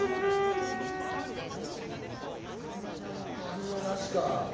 反応なしか。